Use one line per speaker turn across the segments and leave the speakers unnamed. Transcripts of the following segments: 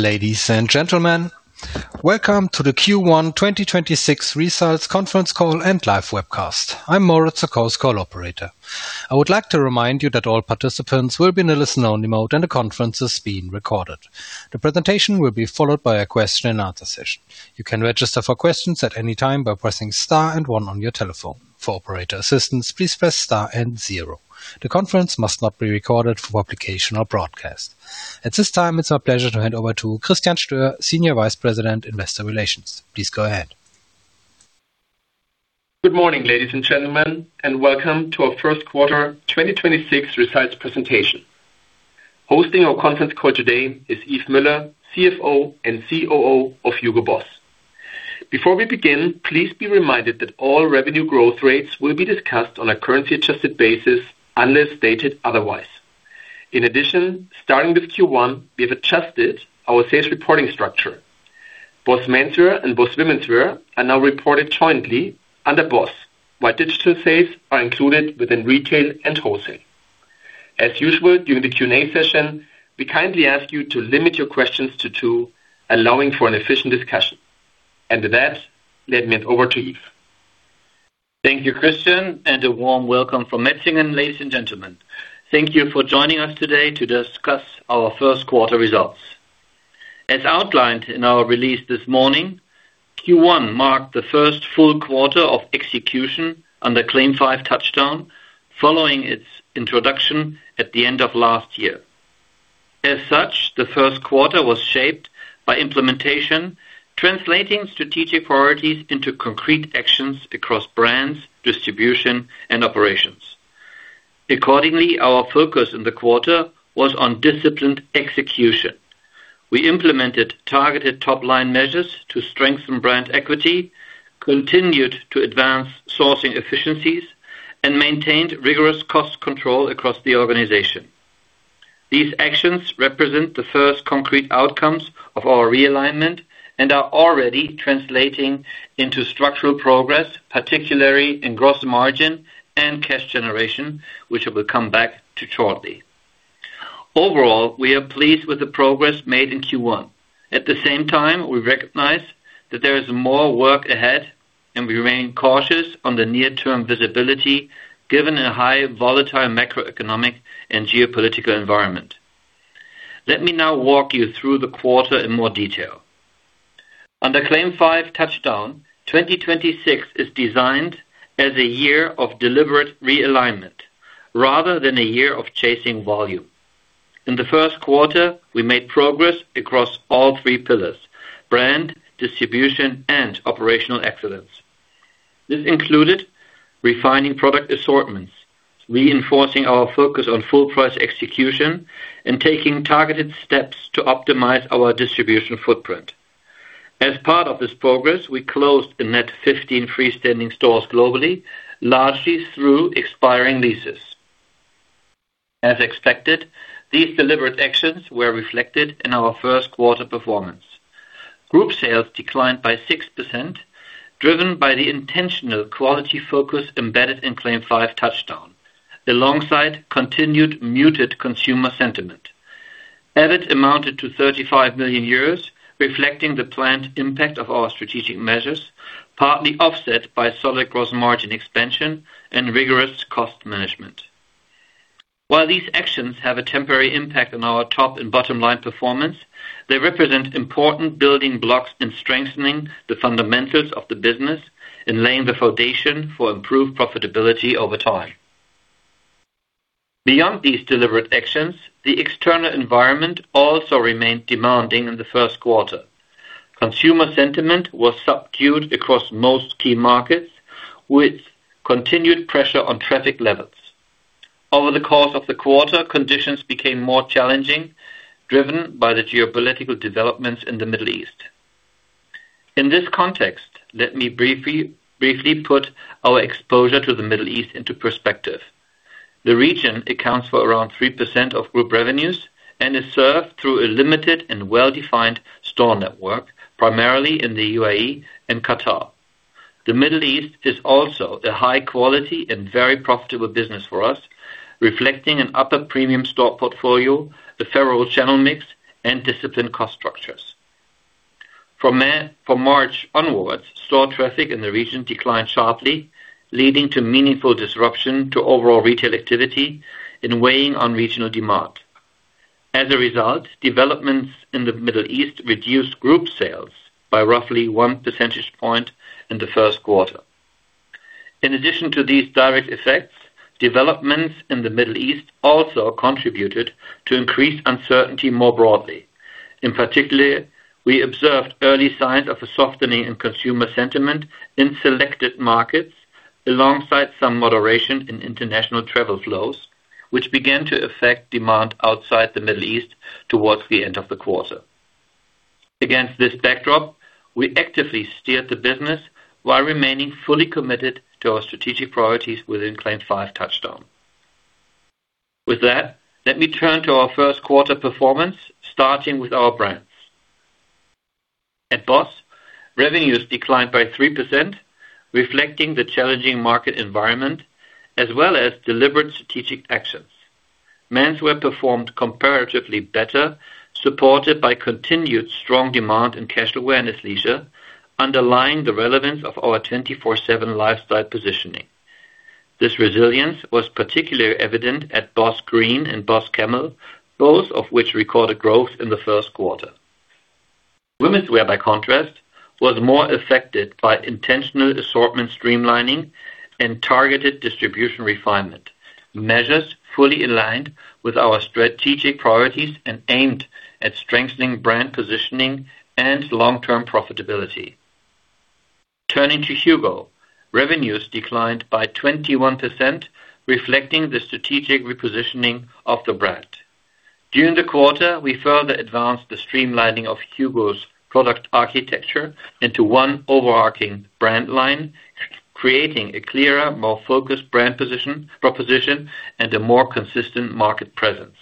Ladies and gentlemen, welcome to the Q1 2026 results conference call and live webcast. I'm Moritz, your Chorus Call operator. I would like to remind you that all participants will be in a listen-only mode and the conference is being recorded. The presentation will be followed by a question and answer session. You can register for questions at any time by pressing star and one on your telephone. For operator assistance, please press star and zero. The conference must not be recorded for publication or broadcast. At this time, it's my pleasure to hand over to Christian Stoehr, Senior Vice President, Investor Relations. Please go ahead.
Good morning, ladies and gentlemen, and welcome to our first quarter 2026 results presentation. Hosting our conference call today is Yves Müller, CFO and COO of HUGO Boss. Before we begin, please be reminded that all revenue growth rates will be discussed on a currency-adjusted basis unless stated otherwise. In addition, starting with Q1, we have adjusted our sales reporting structure. Both menswear and BOSS Womenswear are now reported jointly under BOSS, while digital sales are included within retail and wholesale. As usual, during the Q&A session, we kindly ask you to limit your questions to two, allowing for an efficient discussion. With that, let me hand over to Yves.
Thank you, Christian, and a warm welcome from Metzingen, ladies and gentlemen. Thank you for joining us today to discuss our first quarter results. As outlined in our release this morning, Q1 marked the first full quarter of execution under CLAIM 5 TOUCHDOWN following its introduction at the end of last year. As such, the first quarter was shaped by implementation, translating strategic priorities into concrete actions across brands, distribution, and operations. Accordingly, our focus in the quarter was on disciplined execution. We implemented targeted top-line measures to strengthen brand equity, continued to advance sourcing efficiencies, and maintained rigorous cost control across the organization. These actions represent the first concrete outcomes of our realignment and are already translating into structural progress, particularly in gross margin and cash generation, which I will come back to shortly. Overall, we are pleased with the progress made in Q1. At the same time, we recognize that there is more work ahead, and we remain cautious on the near-term visibility given a high volatile macroeconomic and geopolitical environment. Let me now walk you through the quarter in more detail. Under CLAIM 5 TOUCHDOWN, 2026 is designed as a year of deliberate realignment rather than a year of chasing volume. In the first quarter, we made progress across all three pillars: brand, distribution, and operational excellence. This included refining product assortments, reinforcing our focus on full price execution, and taking targeted steps to optimize our distribution footprint. As part of this progress, we closed a net 15 freestanding stores globally, largely through expiring leases. As expected, these deliberate actions were reflected in our first quarter performance. Group sales declined by 6%, driven by the intentional quality focus embedded in CLAIM 5 TOUCHDOWN, alongside continued muted consumer sentiment. EBIT amounted to 35 million euros, reflecting the planned impact of our strategic measures, partly offset by solid gross margin expansion and rigorous cost management. While these actions have a temporary impact on our top and bottom line performance, they represent important building blocks in strengthening the fundamentals of the business and laying the foundation for improved profitability over time. Beyond these deliberate actions, the external environment also remained demanding in the first quarter. Consumer sentiment was subdued across most key markets, with continued pressure on traffic levels. Over the course of the quarter, conditions became more challenging, driven by the geopolitical developments in the Middle East. In this context, let me briefly put our exposure to the Middle East into perspective. The region accounts for around 3% of group revenues and is served through a limited and well-defined store network, primarily in the U.A.E. and Qatar. The Middle East is also a high quality and very profitable business for us, reflecting an upper premium store portfolio, the federal channel mix, and disciplined cost structures. From March onwards, store traffic in the region declined sharply, leading to meaningful disruption to overall retail activity and weighing on regional demand. As a result, developments in the Middle East reduced group sales by roughly one percentage point in the first quarter. In addition to these direct effects, developments in the Middle East also contributed to increased uncertainty more broadly. In particular, we observed early signs of a softening in consumer sentiment in selected markets, alongside some moderation in international travel flows, which began to affect demand outside the Middle East towards the end of the quarter. Against this backdrop, we actively steered the business while remaining fully committed to our strategic priorities within CLAIM 5 TOUCHDOWN. With that, let me turn to our first quarter performance, starting with our brands. At BOSS, revenues declined by 3%, reflecting the challenging market environment as well as deliberate strategic actions. Menswear performed comparatively better, supported by continued strong demand in casualwear and athleisure, underlying the relevance of our 24/7 lifestyle positioning. This resilience was particularly evident at BOSS Green and BOSS Camel, both of which recorded growth in the first quarter. Womenswear, by contrast, was more affected by intentional assortment streamlining and targeted distribution refinement. Measures fully aligned with our strategic priorities and aimed at strengthening brand positioning and long-term profitability. Turning to HUGO. Revenues declined by 21%, reflecting the strategic repositioning of the brand. During the quarter, we further advanced the streamlining of HUGO’s product architecture into one overarching brand line, creating a clearer, more focused brand proposition, and a more consistent market presence.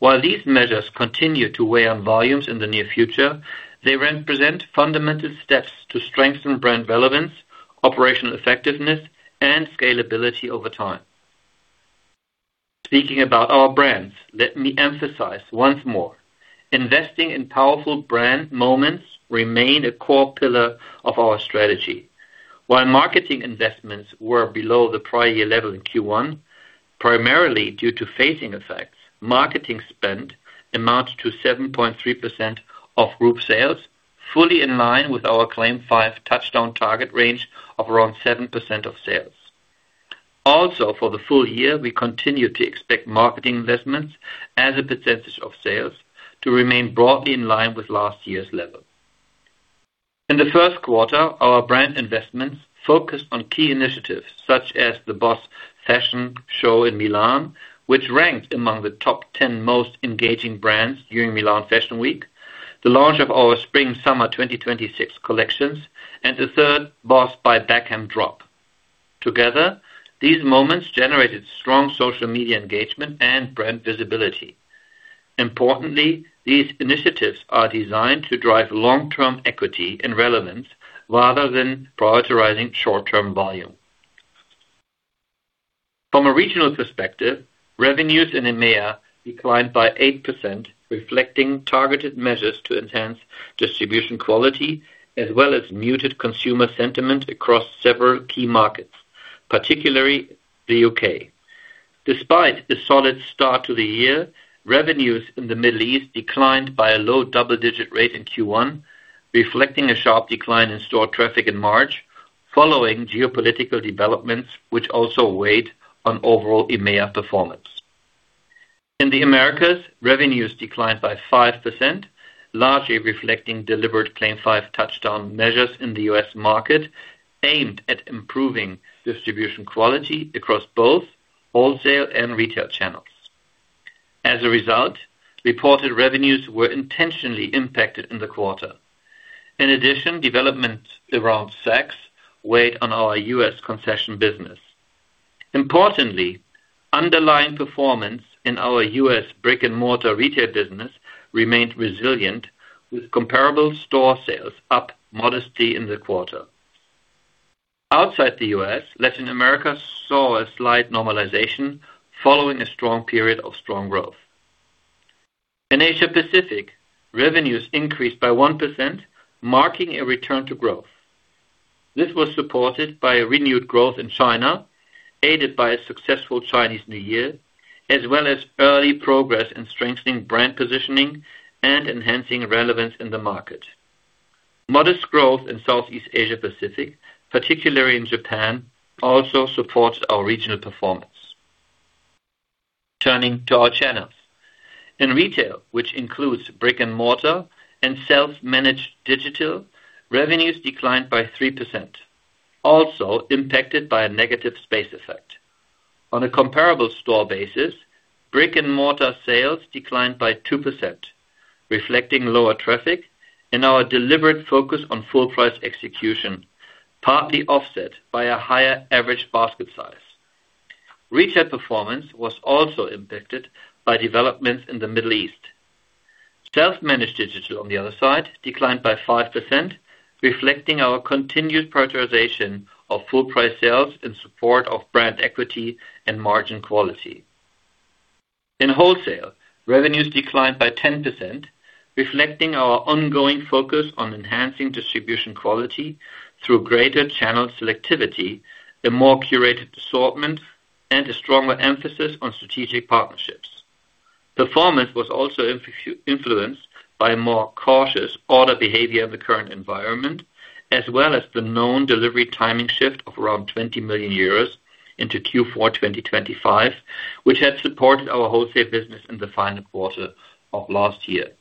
While these measures continue to weigh on volumes in the near future, they represent fundamental steps to strengthen brand relevance, operational effectiveness, and scalability over time. Speaking about our brands, let me emphasize once more, investing in powerful brand moments remain a core pillar of our strategy. While marketing investments were below the prior year level in Q1, primarily due to phasing effects, marketing spend amounts to 7.3% of group sales, fully in line with our CLAIM 5 TOUCHDOWN target range of around 7% of sales. Also, for the full year, we continue to expect marketing investments as a percentage of sales to remain broadly in line with last year's level. In the first quarter, our brand investments focused on key initiatives such as the BOSS Fashion Show in Milan, which ranked among the top 10 most engaging brands during Milan Fashion Week, the launch of our spring/summer 2026 collections, and the third BECKHAM x BOSS drop. Together, these moments generated strong social media engagement and brand visibility. Importantly, these initiatives are designed to drive long-term equity and relevance rather than prioritizing short-term volume. From a regional perspective, revenues in EMEA declined by 8%, reflecting targeted measures to enhance distribution quality as well as muted consumer sentiment across several key markets, particularly the U.K. Despite the solid start to the year, revenues in the Middle East declined by a low double-digit rate in Q1, reflecting a sharp decline in store traffic in March, following geopolitical developments which also weighed on overall EMEA performance. In the Americas, revenues declined by 5%, largely reflecting deliberate CLAIM 5 TOUCHDOWN measures in the U.S. market aimed at improving distribution quality across both wholesale and retail channels. As a result, reported revenues were intentionally impacted in the quarter. In addition, developments around Saks weighed on our U.S. concession business. Importantly, underlying performance in our U.S. brick-and-mortar retail business remained resilient with comparable store sales up modestly in the quarter. Outside the U.S., Latin America saw a slight normalization following a strong period of strong growth. In Asia Pacific, revenues increased by 1%, marking a return to growth. This was supported by a renewed growth in China, aided by a successful Chinese New Year, as well as early progress in strengthening brand positioning and enhancing relevance in the market. Modest growth in Southeast Asia Pacific, particularly in Japan, also supports our regional performance. Turning to our channels. In retail, which includes brick-and-mortar and self-managed digital, revenues declined by 3%, also impacted by a negative space effect. On a comparable store basis, brick-and-mortar sales declined by 2%, reflecting lower traffic and our deliberate focus on full price execution, partly offset by a higher average basket size. Retail performance was also impacted by developments in the Middle East. Self-managed digital, on the other side, declined by 5%, reflecting our continued prioritization of full price sales in support of brand equity and margin quality. In wholesale, revenues declined by 10%, reflecting our ongoing focus on enhancing distribution quality through greater channel selectivity, a more curated assortment, and a stronger emphasis on strategic partnerships. Performance was also influenced by more cautious order behavior in the current environment, as well as the known delivery timing shift of around 20 million euros into Q4 2025, which had supported our wholesale business in the final quarter of last year.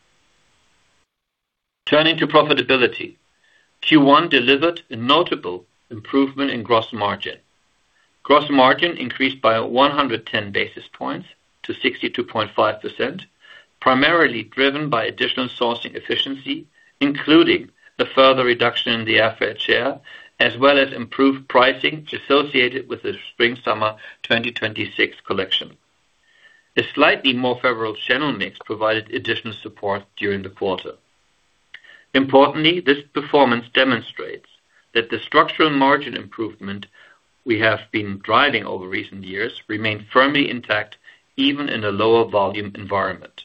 Turning to profitability. Q1 delivered a notable improvement in gross margin. Gross margin increased by 110 basis points to 62.5%, primarily driven by additional sourcing efficiency, including the further reduction in the air freight share, as well as improved pricing associated with the Spring/Summer 2026 collection. A slightly more favorable channel mix provided additional support during the quarter. Importantly, this performance demonstrates that the structural margin improvement we have been driving over recent years remain firmly intact even in a lower volume environment.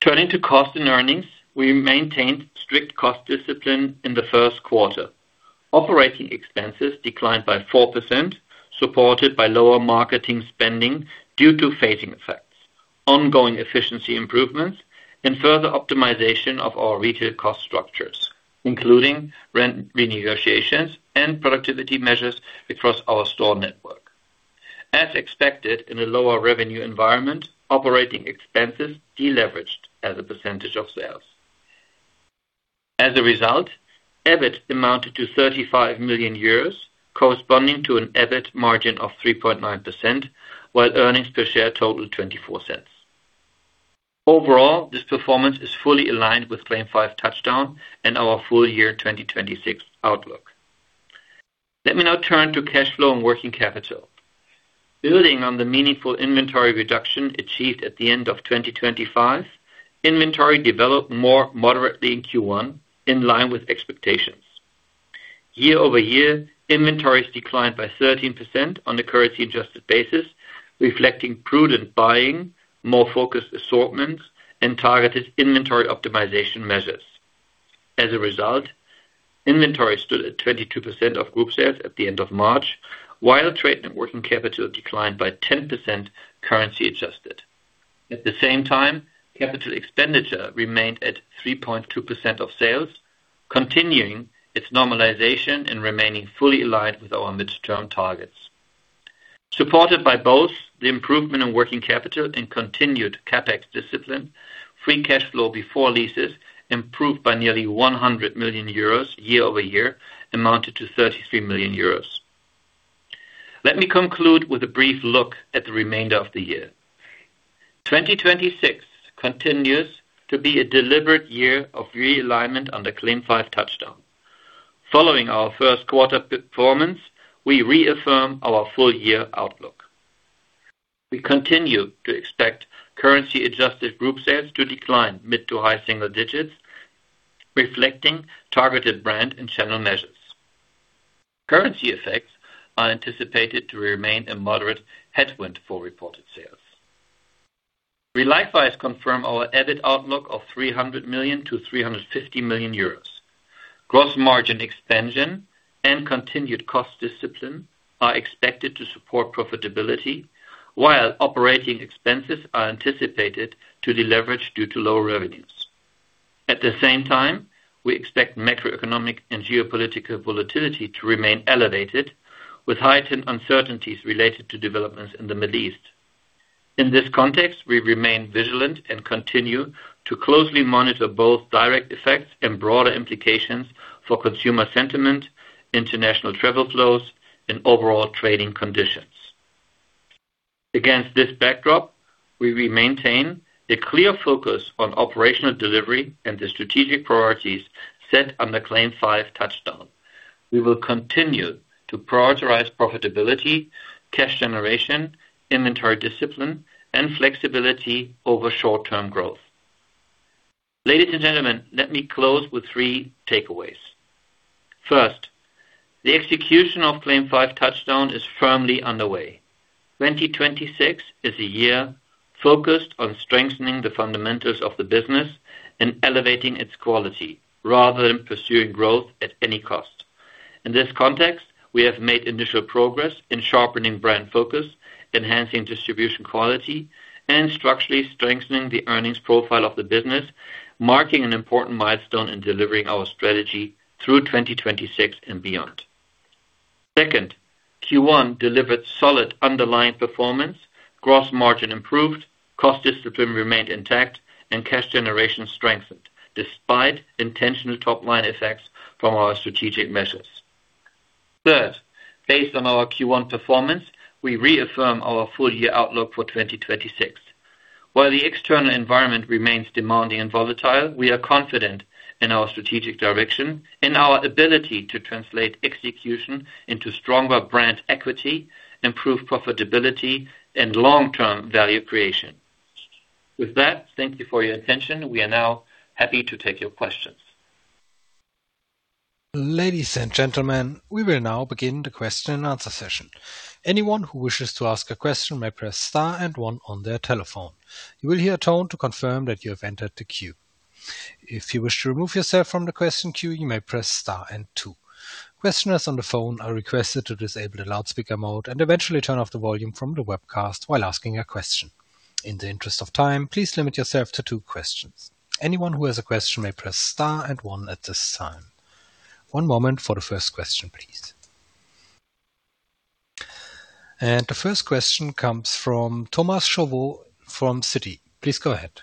Turning to cost and earnings. We maintained strict cost discipline in the first quarter. Operating expenses declined by 4%, supported by lower marketing spending due to phasing effects, ongoing efficiency improvements and further optimization of our retail cost structures, including rent renegotiations and productivity measures across our store network. As expected, in a lower revenue environment, operating expenses deleveraged as a percentage of sales. As a result, EBIT amounted to 35 million, corresponding to an EBIT margin of 3.9%, while earnings per share totaled 0.24. Overall, this performance is fully aligned with CLAIM 5 TOUCHDOWN and our full year 2026 outlook. Let me now turn to cash flow and working capital. Building on the meaningful inventory reduction achieved at the end of 2025, inventory developed more moderately in Q1, in line with expectations. Year-over-year, inventories declined by 13% on a currency adjusted basis, reflecting prudent buying, more focused assortments and targeted inventory optimization measures. As a result, inventory stood at 22% of group sales at the end of March, while trade network and working capital declined by 10% currency adjusted. At the same time, capital expenditure remained at 3.2% of sales, continuing its normalization and remaining fully aligned with our midterm targets. Supported by both the improvement in working capital and continued CapEx discipline, free cash flow before leases improved by nearly 100 million euros year-over-year, amounted to 33 million euros. Let me conclude with a brief look at the remainder of the year. 2026 continues to be a deliberate year of realignment on the CLAIM 5 TOUCHDOWN. Following our first quarter performance, we reaffirm our full-year outlook. We continue to expect currency adjusted group sales to decline mid to high single digits, reflecting targeted brand and channel measures. Currency effects are anticipated to remain a moderate headwind for reported sales. We likewise confirm our EBIT outlook of 300 million-350 million euros. Gross margin expansion and continued cost discipline are expected to support profitability, while operating expenses are anticipated to deleverage due to lower revenues. At the same time, we expect macroeconomic and geopolitical volatility to remain elevated, with heightened uncertainties related to developments in the Middle East. In this context, we remain vigilant and continue to closely monitor both direct effects and broader implications for consumer sentiment, international travel flows and overall trading conditions. Against this backdrop, we will maintain a clear focus on operational delivery and the strategic priorities set under CLAIM 5 TOUCHDOWN. We will continue to prioritize profitability, cash generation, inventory discipline and flexibility over short-term growth. Ladies and gentlemen, let me close with three takeaways. First, the execution of CLAIM 5 TOUCHDOWN is firmly underway. 2026 is a year focused on strengthening the fundamentals of the business and elevating its quality rather than pursuing growth at any cost. In this context, we have made initial progress in sharpening brand focus, enhancing distribution quality and structurally strengthening the earnings profile of the business, marking an important milestone in delivering our strategy through 2026 and beyond. Second, Q1 delivered solid underlying performance. Gross margin improved, cost discipline remained intact, and cash generation strengthened despite intentional top-line effects from our strategic measures. Third, based on our Q1 performance, we reaffirm our full-year outlook for 2026. While the external environment remains demanding and volatile, we are confident in our strategic direction and our ability to translate execution into stronger brand equity, improve profitability and long-term value creation. With that, thank you for your attention. We are now happy to take your questions.
Ladies and gentlemen, we will now begin the question and answer session. Anyone who wishes to ask a question may press star one on their telephone. You will hear a tone to confirm that you have entered the queue. If you wish to remove yourself from the question queue, you may press star two. Questioners on the phone are requested to disable the loudspeaker mode and eventually turn off the volume from the webcast while asking a question. In the interest of time, please limit yourself to two questions. Anyone who has a question may press star one at this time. One moment for the first question, please. The first question comes from Thomas Chauvet from Citi. Please go ahead.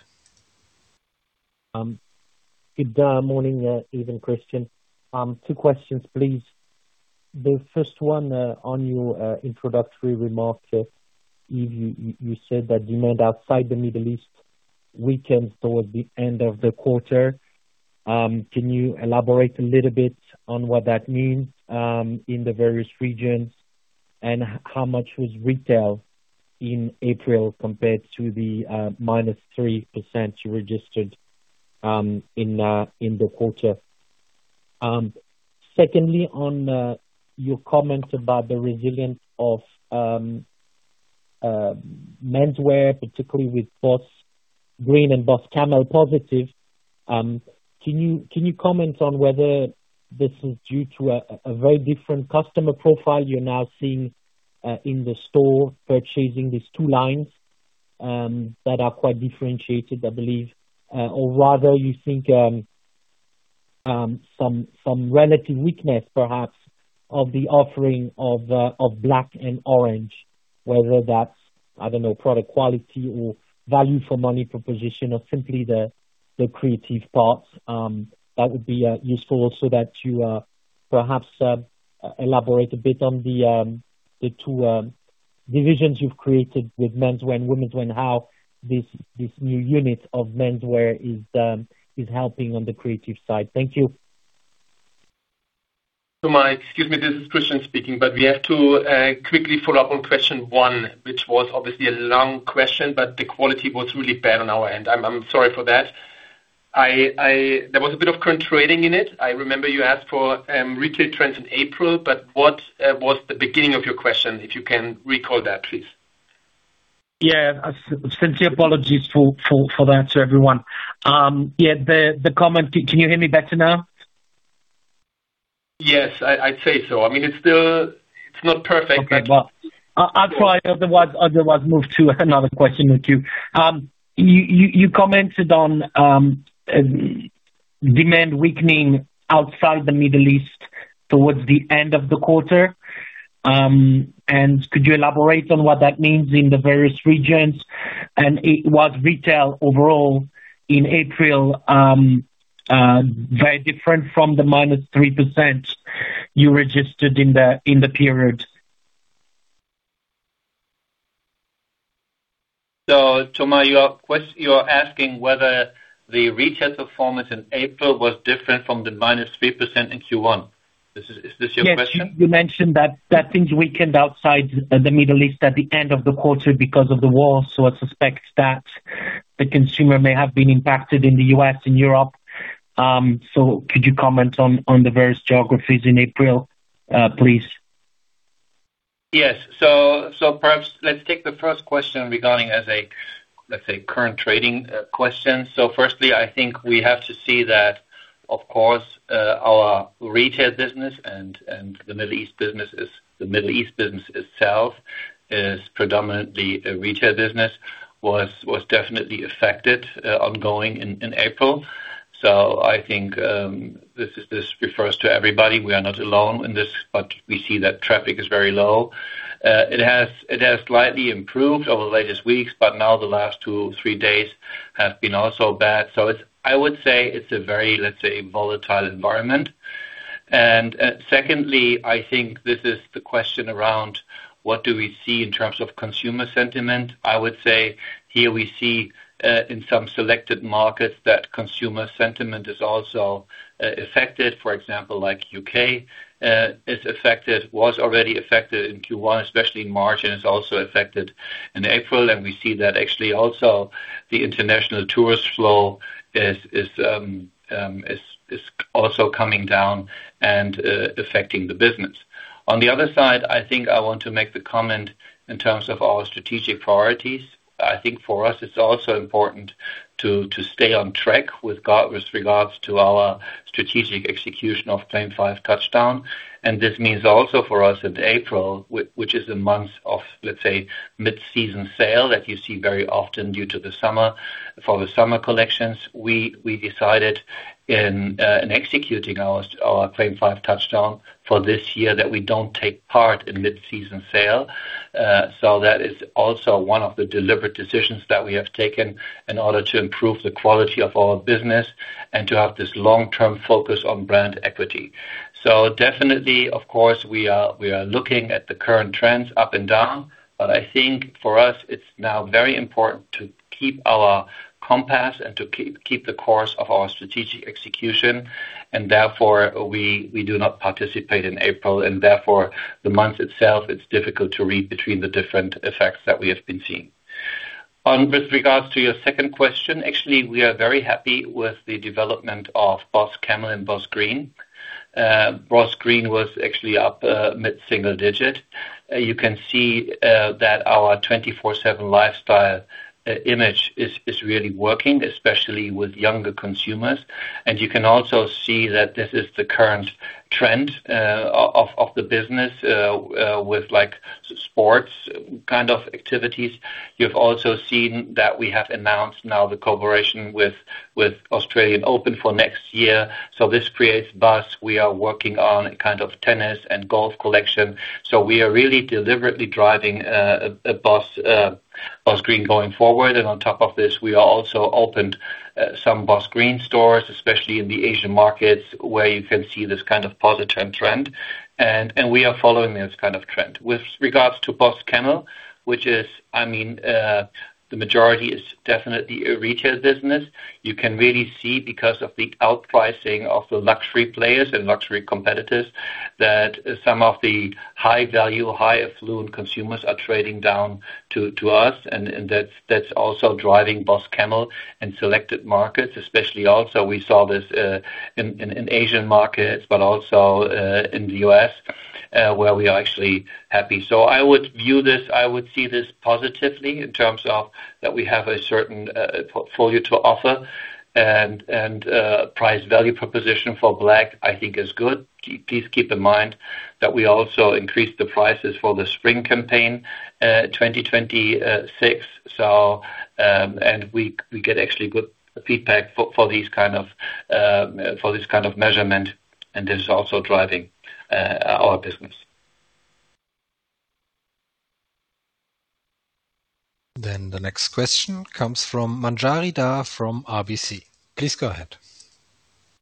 Good morning, Yves and Christian. Two questions, please. The first one, on your introductory remarks. If you said that demand outside the Middle East weakened towards the end of the quarter. Can you elaborate a little bit on what that means in the various regions, and how much was retail in April compared to the -3% you registered in the quarter? Secondly, on your comment about the resilience of menswear, particularly with BOSS Green and BOSS Camel positive, can you comment on whether this is due to a very different customer profile you're now seeing in the store purchasing these two lines that are quite differentiated, I believe. Rather you think, some relative weakness perhaps of the offering of Black and Orange, whether that, I don't know, product quality or value for money proposition or simply the creative part, that would be useful so that you perhaps elaborate a bit on the two divisions you've created with menswear and womenswear and how this new unit of menswear is helping on the creative side. Thank you.
Thomas, excuse me, this is Christian speaking, we have to quickly follow up on question one, which was obviously a long question, the quality was really bad on our end. I'm sorry for that. There was a bit of current trading in it. I remember you asked for retail trends in April, what was the beginning of your question, if you can recall that, please?
Yeah. Sincere apologies for that to everyone. The comment, can you hear me better now?
Yes. I'd say so. I mean, it's still, it's not perfect.
Okay. Well, I'll try otherwise, move to another question with you. You commented on demand weakening outside the Middle East towards the end of the quarter. Could you elaborate on what that means in the various regions? Was retail overall in April very different from the -3% you registered in the, in the period.
Thomas, you're asking whether the retail performance in April was different from the -3% in Q1. Is this your question?
Yes. You mentioned that things weakened outside the Middle East at the end of the quarter because of the war, so I suspect that the consumer may have been impacted in the U.S. and Europe. Could you comment on the various geographies in April, please?
Yes. Perhaps let's take the first question regarding as a, let's say, current trading question. Firstly, I think we have to see that of course, our retail business and the Middle East business itself is predominantly a retail business, was definitely affected ongoing in April. I think this refers to everybody. We are not alone in this, but we see that traffic is very low. It has slightly improved over the latest weeks, but now the last two, three days have been also bad. I would say it's a very, let's say, volatile environment. Secondly, I think this is the question around what do we see in terms of consumer sentiment. I would say here we see in some selected markets that consumer sentiment is also affected. For example, like U.K. is affected, was already affected in Q1, especially in March, and it's also affected in April. We see that actually also the international tourist flow is also coming down and affecting the business. On the other side, I think I want to make the comment in terms of our strategic priorities. I think for us it's also important to stay on track with regards to our strategic execution of CLAIM 5 TOUCHDOWN. This means also for us in April, which is a month of, let's say, mid-season sale that you see very often due to the summer, for the summer collections. We decided in executing our CLAIM 5 TOUCHDOWN for this year, that we don't take part in mid-season sale. That is also one of the deliberate decisions that we have taken in order to improve the quality of our business and to have this long-term focus on brand equity. Definitely, of course, we are looking at the current trends up and down, but I think for us it's now very important to keep our compass and to keep the course of our strategic execution. Therefore, we do not participate in April and therefore, the month itself, it's difficult to read between the different effects that we have been seeing. With regards to your second question, actually, we are very happy with the development of BOSS Camel and BOSS Green. BOSS Green was actually up mid-single digit. You can see that our 24/7 lifestyle image is really working, especially with younger consumers. You can also see that this is the current trend of the business with like sports kind of activities. You've also seen that we have announced now the cooperation with Australian Open for next year. This creates buzz. We are working on a kind of tennis and golf collection. We are really deliberately driving a BOSS Green going forward. On top of this, we are also opened some BOSS Green stores, especially in the Asian markets where you can see this kind of positive trend and we are following this kind of trend. With regards to BOSS Camel, which is I mean, the majority is definitely a retail business. You can really see because of the outpricing of the luxury players and luxury competitors, that some of the high value, high affluent consumers are trading down to us, and that's also driving BOSS Camel in selected markets especially. We saw this in Asian markets, but also in the U.S., where we are actually happy. I would view this, I would see this positively in terms of that we have a certain portfolio to offer and price value proposition for BOSS Black, I think is good. Please keep in mind that we also increased the prices for the spring campaign 2026. And we get actually good feedback for these kind of, for this kind of measurement and this is also driving our business.
The next question comes from Manjari Dhar from RBC. Please go ahead.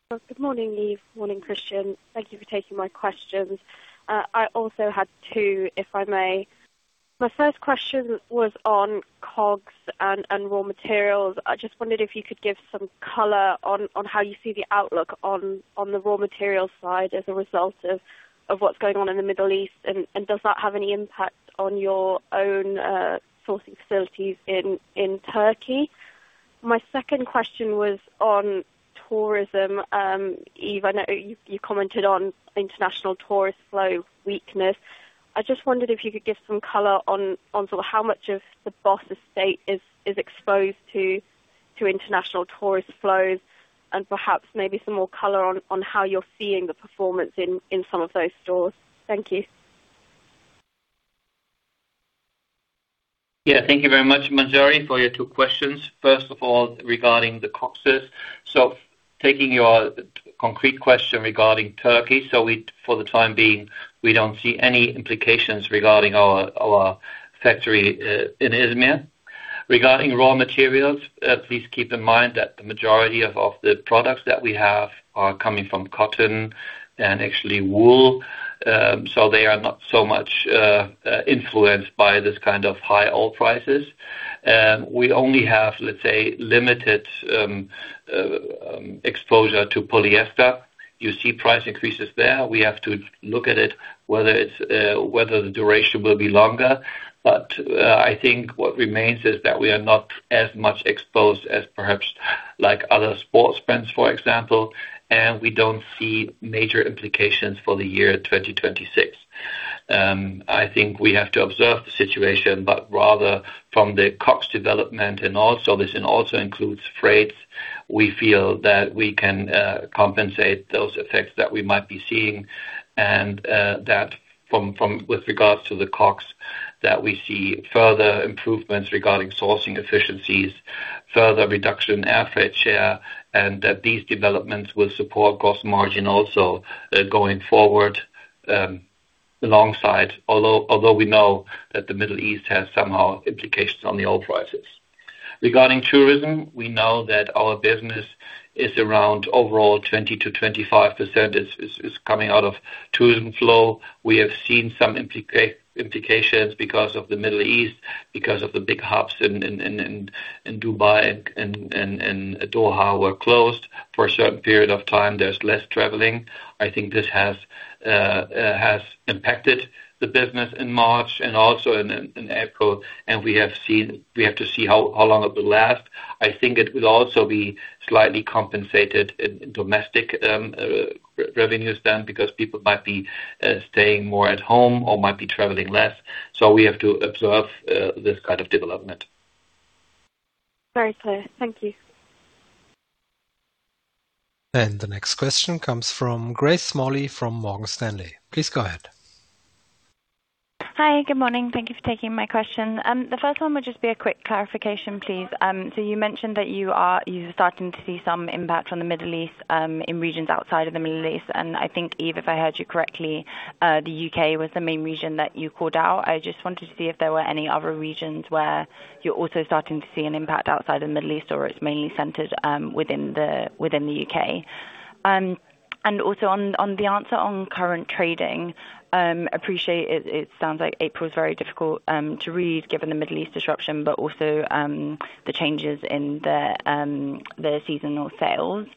Good morning, Yves. Morning, Christian. Thank you for taking my questions. I also had two, if I may. My first question was on COGS and raw materials. I just wondered if you could give some color on how you see the outlook on the raw materials side as a result of what's going on in the Middle East, and does that have any impact on your own sourcing facilities in Turkey? My second question was on tourism. Yves, I know you commented on international tourist flow weakness. I just wondered if you could give some color on sort of how much of the BOSS estate is exposed to international tourist flows, and perhaps maybe some more color on how you're seeing the performance in some of those stores. Thank you.
Thank you very much, Manjari, for your two questions. First of all, regarding the COGSes. Taking your concrete question regarding Turkey, we, for the time being, don't see any implications regarding our factory in Izmir. Regarding raw materials, please keep in mind that the majority of the products that we have are coming from cotton and actually wool. They are not so much influenced by this kind of high oil prices. We only have, let's say, limited exposure to polyester. You see price increases there. We have to look at it whether it's whether the duration will be longer. I think what remains is that we are not as much exposed as perhaps like other sports brands, for example, and we don't see major implications for the year 2026. I think we have to observe the situation, rather from the COGS development, and also includes freights. We feel that we can compensate those effects that we might be seeing and that from with regards to the COGS, that we see further improvements regarding sourcing efficiencies, further reduction air freight share, and that these developments will support gross margin also going forward alongside. Although we know that the Middle East has somehow implications on the oil prices. Regarding tourism, we know that our business is around overall 20%-25% is coming out of tourism flow. We have seen some implications because of the Middle East, because of the big hubs in Dubai and Doha were closed for a certain period of time. There's less traveling. I think this has impacted the business in March and also in April. We have to see how long it will last. I think it will also be slightly compensated in domestic revenues then because people might be staying more at home or might be traveling less. We have to observe this kind of development.
Very clear. Thank you.
The next question comes from Grace Smalley from Morgan Stanley. Please go ahead.
Hi. Good morning. Thank you for taking my question. The first one would just be a quick clarification, please. You mentioned that you're starting to see some impact from the Middle East in regions outside of the Middle East, and I think, Yves, if I heard you correctly, the U.K. was the main region that you called out. I just wanted to see if there were any other regions where you're also starting to see an impact outside the Middle East or it's mainly centered within the, within the U.K. Also on the answer on current trading, appreciate it sounds like April is very difficult to read given the Middle East disruption but also the changes in the seasonal sales.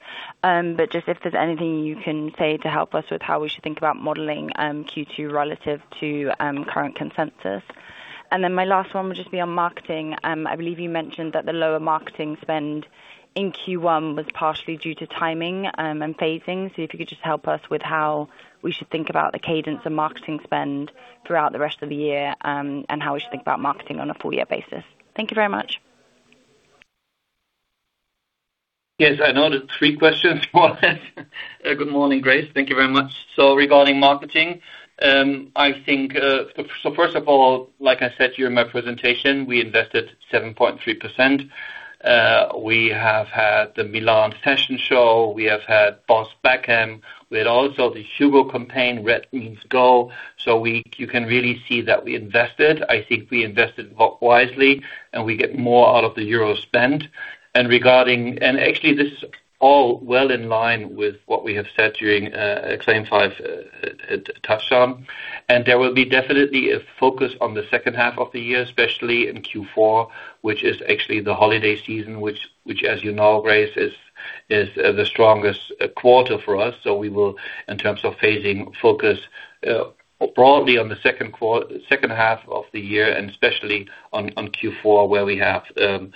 Just if there's anything you can say to help us with how we should think about modeling Q2 relative to current consensus. My last one would just be on marketing. I believe you mentioned that the lower marketing spend in Q1 was partially due to timing and phasing. If you could just help us with how we should think about the cadence of marketing spend throughout the rest of the year and how we should think about marketing on a full year basis. Thank you very much.
Yes, I know the three questions were asked. Good morning, Grace. Thank you very much. Regarding marketing, I think, first of all, like I said to you in my presentation, we invested 7.3%. We have had the Milan Fashion Week, we have had BOSS Beckham. We had also the HUGO campaign, Red Means Go. You can really see that we invested. I think we invested wisely, and we get more out of the euro spend. Actually this all well in line with what we have said during CLAIM 5 TOUCHDOWN. There will be definitely a focus on the second half of the year, especially in Q4, which is actually the holiday season, which as you know, Grace, is the strongest quarter for us. We will, in terms of phasing focus, broadly on the second half of the year, and especially on Q4, where we have the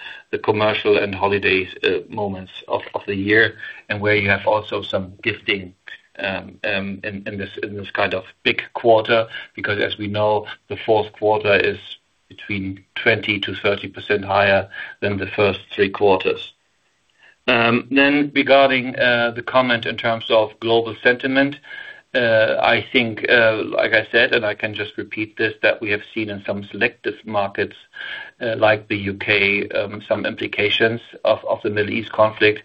commercial and holidays, moments of the year, and where you have also some gifting in this kind of big quarter, because as we know, the fourth quarter is between 20%-30% higher than the first three quarters. Regarding the comment in terms of global sentiment, I think, like I said, and I can just repeat this, that we have seen in some selective markets, like the U.K., some implications of the Middle East conflict.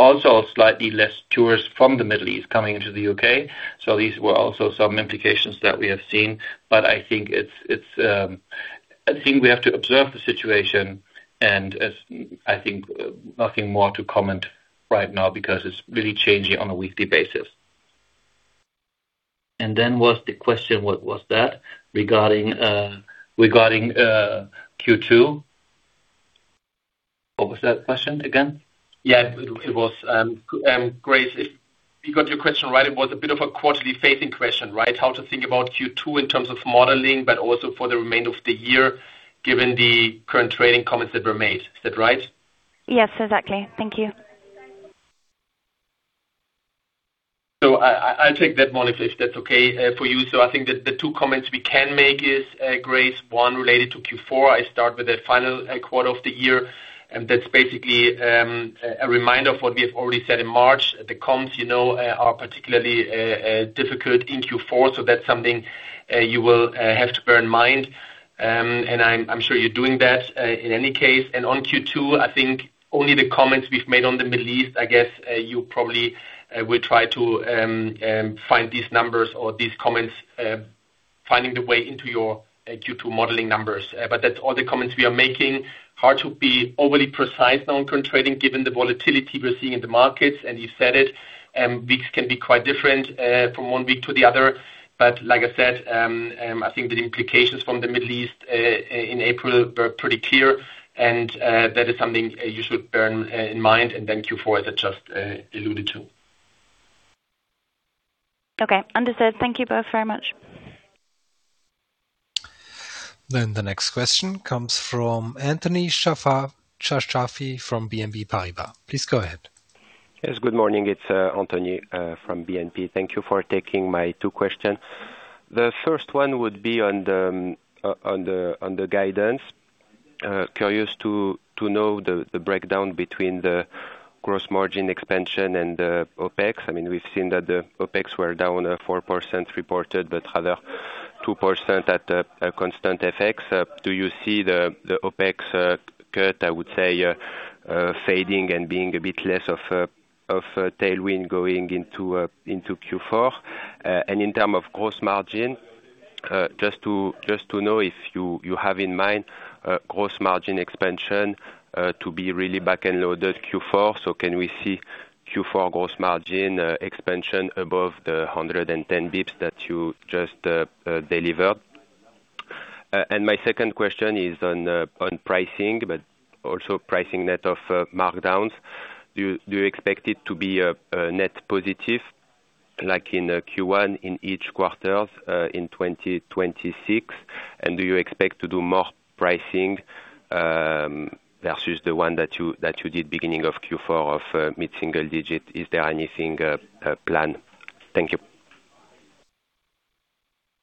Slightly less tourists from the Middle East coming into the U.K. These were also some implications that we have seen. I think it's, I think we have to observe the situation and as, I think, nothing more to comment right now because it's really changing on a weekly basis. What's the question, what was that? Regarding, regarding Q2? What was that question again?
It was Grace, if we got your question right, it was a bit of a quarterly phasing question, right? How to think about Q2 in terms of modeling, but also for the remainder of the year, given the current trading comments that were made. Is that right?
Yes, exactly. Thank you.
I'll take that one, if that's okay for you. I think that the two comments we can make is, Grace, one related to Q4. I start with the final quarter of the year, and that's basically a reminder of what we have already said in March. The comms, you know, are particularly difficult in Q4, so that's something you will have to bear in mind. I'm sure you're doing that in any case. On Q2, I think only the comments we've made on the Middle East, I guess, you probably will try to find these numbers or these comments finding the way into your Q2 modeling numbers. That's all the comments we are making. Hard to be overly precise on current trading given the volatility we're seeing in the markets, and you said it, weeks can be quite different from one week to the other. Like I said, I think the implications from the Middle East in April were pretty clear and that is something you should bear in mind. Then Q4 as I just alluded to.
Okay. Understood. Thank you both very much.
The next question comes from Anthony Charchafji from BNP Paribas. Please go ahead.
Yes, good morning. It's Anthony from BNP. Thank you for taking my two question. The first one would be on the guidance. Curious to know the breakdown between the gross margin expansion and the OpEx. I mean, we've seen that the OpEx were down 4% reported, but rather 2% at a constant FX. Do you see the OpEx cut, I would say, fading and being a bit less of a tailwind going into Q4? And in term of gross margin, just to know if you have in mind a gross margin expansion to be really back-end loaded Q4. Can we see Q4 gross margin expansion above the 110 basis points that you just delivered? My second question is on pricing, but also pricing net of markdowns. Do you expect it to be a net positive like in Q1 in each quarters in 2026? Do you expect to do more pricing versus the one that you did beginning of Q4 of mid-single digit? Is there anything planned? Thank you.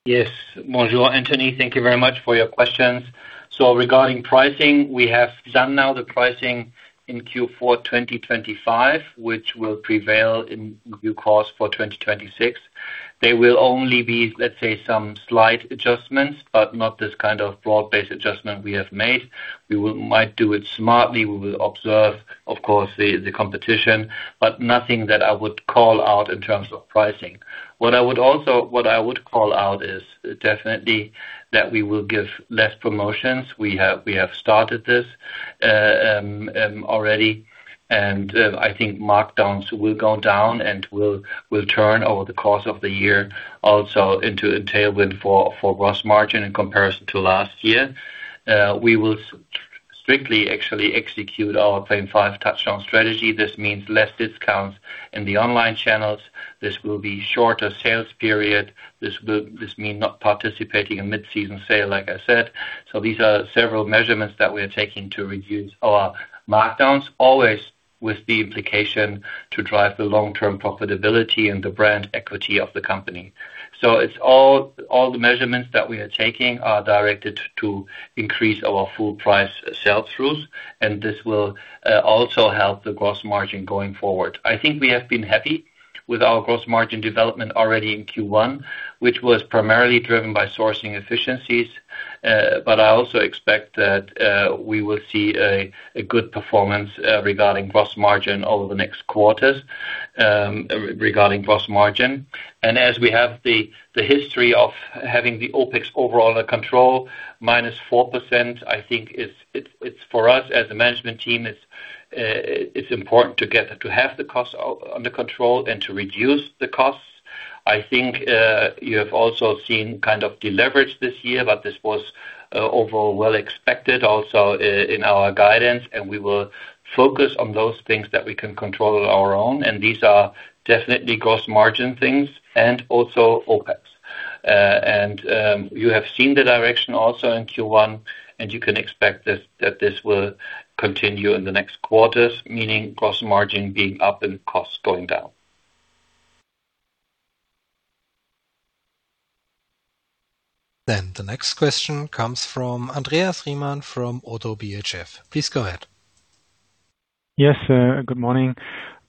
Yes. Bonjour, Anthony. Thank you very much for your questions. Regarding pricing, we have done now the pricing in Q4 2025, which will prevail in due course for 2026. There will only be, let's say, some slight adjustments, but not this kind of broad-based adjustment we have made. We might do it smartly. We will observe, of course, the competition, but nothing that I would call out in terms of pricing. What I would call out is definitely that we will give less promotions. We have started this already. I think markdowns will go down and will turn over the course of the year also into a tailwind for gross margin in comparison to last year. We will strictly actually execute our CLAIM 5 TOUCHDOWN strategy. This means less discounts in the online channels. This will be shorter sales period. This will mean not participating in mid-season sale, like I said. These are several measurements that we are taking to reduce our markdowns, always with the implication to drive the long-term profitability and the brand equity of the company. It's all the measurements that we are taking are directed to increase our full price sales through, and this will also help the gross margin going forward. I think we have been happy with our gross margin development already in Q1, which was primarily driven by sourcing efficiencies. I also expect that we will see a good performance regarding gross margin over the next quarters. As we have the history of having the OpEx overall under control, -4%, I think it's for us as a management team, it's important to have the costs under control and to reduce the costs. I think you have also seen kind of deleverage this year, but this was overall well expected also in our guidance, and we will focus on those things that we can control on our own, and these are definitely gross margin things and also OpEx. You have seen the direction also in Q1, and you can expect this, that this will continue in the next quarters, meaning gross margin being up and costs going down.
The next question comes from Andreas Riemann from Oddo BHF. Please go ahead.
Good morning.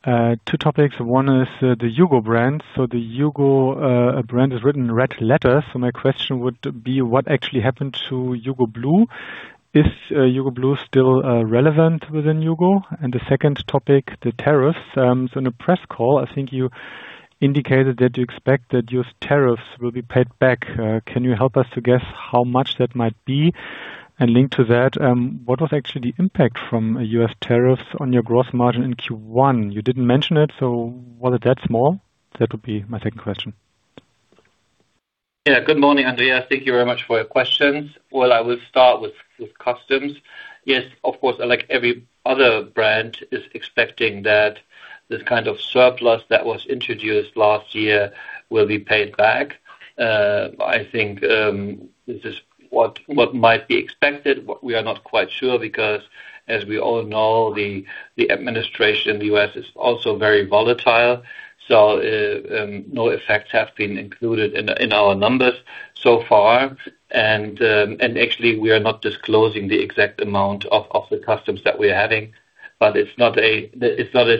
Two topics. One is the HUGO brand. The HUGO brand is written in red letters. My question would be what actually happened to HUGO Blue? Is HUGO Blue still relevant within HUGO? The second topic, the tariffs. In the press call, I think you indicated that you expect that U.S. tariffs will be paid back. Can you help us to guess how much that might be? Linked to that, what was actually the impact from U.S. tariffs on your gross margin in Q1? You didn't mention it, was it that small? That would be my second question.
Yeah. Good morning, Andreas. Thank you very much for your questions. Well, I will start with customs. Yes, of course, like every other brand is expecting that this kind of surplus that was introduced last year will be paid back. I think this is what might be expected. We are not quite sure because, as we all know, the administration in the U.S. is also very volatile. No effects have been included in our numbers so far. Actually, we are not disclosing the exact amount of the customs that we're having, but it's not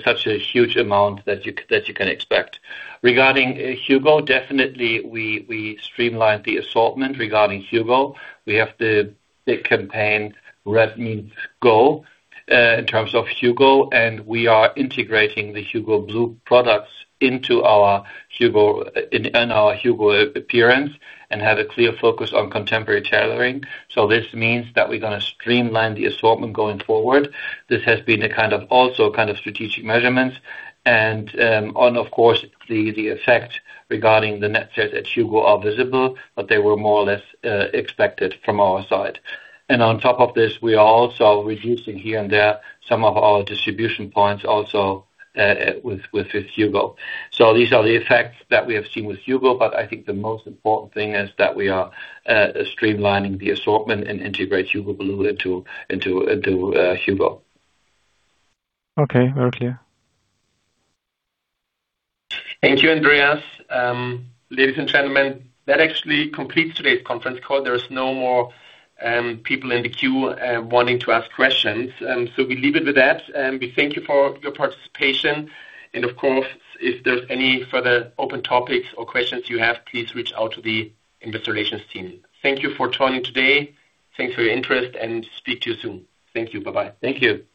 such a huge amount that you can expect. Regarding HUGO, definitely we streamlined the assortment regarding HUGO. We have the big campaign, Red Means Go, in terms of HUGO, and we are integrating the HUGO Blue products into our HUGO appearance and have a clear focus on contemporary tailoring. This means that we're gonna streamline the assortment going forward. This has been a kind of strategic measurements. Of course, the effect regarding the net sales at HUGO are visible, but they were more or less expected from our side. On top of this, we are also reducing here and there some of our distribution points also with HUGO. These are the effects that we have seen with HUGO, but I think the most important thing is that we are streamlining the assortment and integrate HUGO Blue into HUGO.
Okay. Very clear.
Thank you, Andreas. Ladies and gentlemen, that actually completes today's conference call. There is no more people in the queue wanting to ask questions. We leave it with that. We thank you for your participation. Of course, if there's any further open topics or questions you have, please reach out to the investor relations team. Thank you for joining today. Thanks for your interest and speak to you soon. Thank you. Bye-bye. Thank you.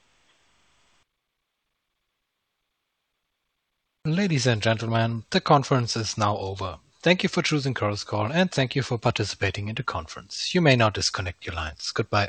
Ladies and gentlemen, the conference is now over. Thank you for choosing Chorus Call, and thank you for participating in the conference. You may now disconnect your lines. Goodbye.